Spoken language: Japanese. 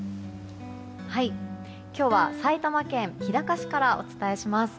今日は埼玉県日高市からお伝えします。